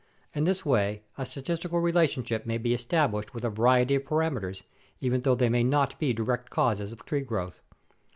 In this way a statistical relationship may be established with a variety of parameters, even though they may not be direct causes of tree growth.